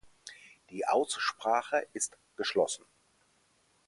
Die Aussprache ist geschlosssen.